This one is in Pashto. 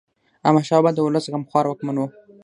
احمد شاه بابا د ولس غمخوار واکمن و.